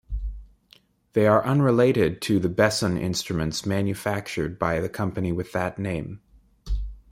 They are unrelated to the Besson instruments manufactured by the company with that name.